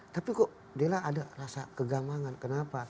tapi kok dia ada rasa kegamangan kenapa